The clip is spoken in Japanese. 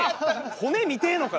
骨見てえのかよ